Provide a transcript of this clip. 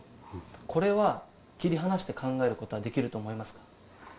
これは切り離して考えることはできると思いますか？